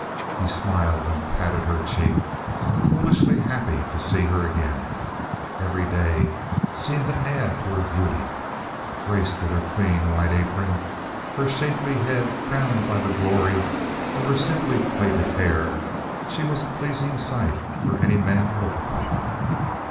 He smiled and patted her cheek, foolishly happy to see her again. Every day seemed to add to her beauty. Graced with her clean white apron, her shapely head crowned by the glory of her simply plaited hair, she was a pleasing sight for any man to look upon.